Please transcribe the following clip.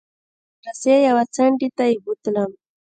د مدرسې يوې څنډې ته يې بوتلم.